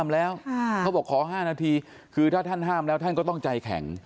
เขาบอกขอ๕นาทีคือถ้าท่านห้ามแล้วท่านก็ต้องใจแข็ง